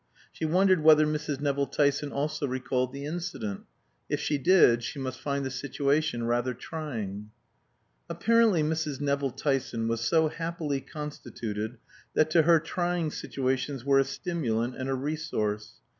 She wondered whether Mrs. Nevill Tyson also recalled the incident. If she did she must find the situation rather trying. Apparently Mrs. Nevill Tyson was so happily constituted that to her trying situations were a stimulant and a resource.